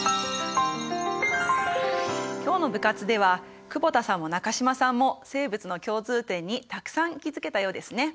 今日の部活では久保田さんも中島さんも生物の共通点にたくさん気付けたようですね。